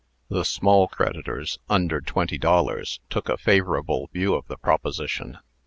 The small creditors, under twenty dollars, took a favorable view of the proposition.